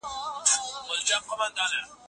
زه به په راتلونکي کال کي نوي کتابونه چاپ کړم.